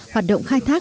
hoạt động khai thác